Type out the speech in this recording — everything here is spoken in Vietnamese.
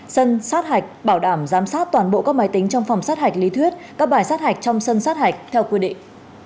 sân sát hạch bảo đảm giám sát toàn bộ các máy tính trong phòng sát hạch lý thuyết các bài sát hạch trong sân sát hạch theo quy định